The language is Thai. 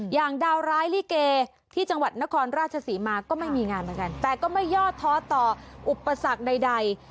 อย่างดาวร้ายลิเกที่จังหวัดนครราชศรีมาก็ไม่มีงานเหมือนกันแต่ก็ไม่ยอดท้อต่ออุปสรรคใด